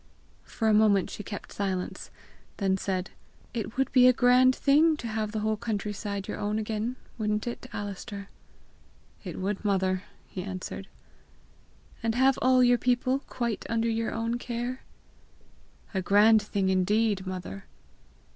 For a moment she kept silence, then said: "It would be a grand thing to have the whole country side your own again wouldn't it, Alister?" "It would, mother!" he answered. "And have all your people quite under your own care?" "A grand thing, indeed, mother!"